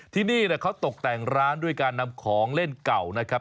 ที่นี่เขาตกแต่งร้านด้วยการนำของเล่นเก่านะครับ